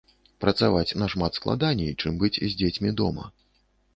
Працаваць нашмат складаней, чым быць з дзецьмі дома.